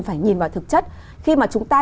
phải nhìn vào thực chất khi mà chúng ta